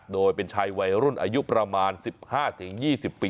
โดยเป็นชายวัยรุ่นอายุประมาณ๑๕๒๐ปี